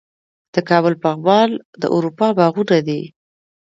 د کابل پغمان د اروپا باغونه دي